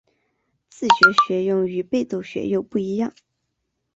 自觉学用与被动学用不一样